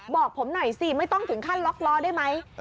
บอกผมหน่อยสิไม่ต้องถึงขั้นล็อกล้อได้ไหม